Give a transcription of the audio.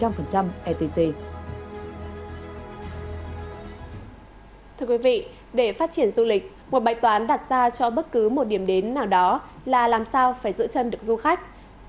thưa quý vị để phát triển du lịch một bài toán đặt ra cho bất cứ một điểm đến nào đó là làm sao phải giữ chân được du khách